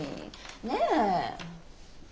ねえ？